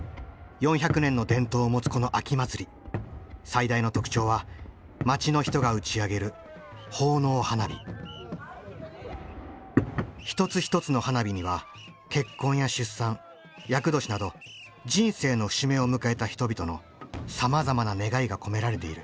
４００年の伝統を持つこの秋祭り最大の特徴は町の人が打ち上げる一つ一つの花火には結婚や出産厄年など人生の節目を迎えた人々のさまざまな願いが込められている。